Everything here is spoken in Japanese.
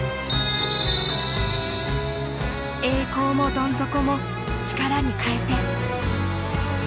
栄光もどん底も力に変えて。